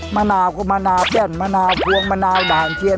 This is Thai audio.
มะนาวก็มะนาวแป้นมะนาวพวงมะนาวด่านเทียน